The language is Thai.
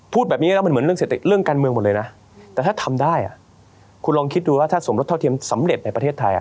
พูดแบบนี้แล้วมันเหมือนเรื่องการเมืองหมดเลยนะแต่ถ้าทำได้คุณลองคิดดูว่าถ้าสมรสเท่าเทียมสำเร็จในประเทศไทย